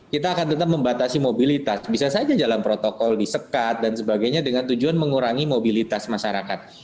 kita akan tetap membatasi mobilitas bisa saja jalan protokol disekat dan sebagainya dengan tujuan mengurangi mobilitas masyarakat